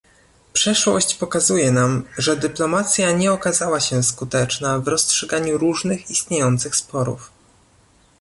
Przeszłość pokazuje nam, że dyplomacja nie okazała się skuteczna w rozstrzyganiu różnych istniejących sporów